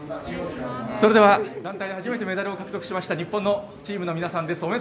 それでは団体で初めてメダルを獲得しました日本のチームの皆さんです。